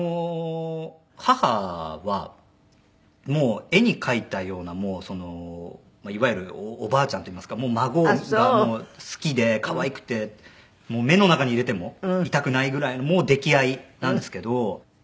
母はもう絵に描いたようなもうそのいわゆるおばあちゃんといいますか孫がもう好きで可愛くて目の中に入れても痛くないぐらいの溺愛なんですけど。